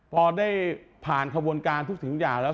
พอได้ผ่านขบวนการทุกสิ่งอย่างแล้ว